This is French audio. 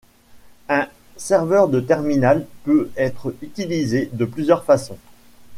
Un serveur de terminal peut être utilisé de plusieurs façons.